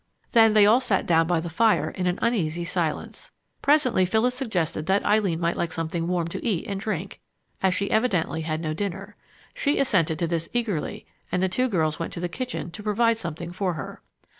Then they all sat down by the fire in an uneasy silence. Presently Phyllis suggested that Eileen might like something warm to eat and drink, as she had evidently had no dinner. She assented to this eagerly, and the two girls went to the kitchen to provide something for her.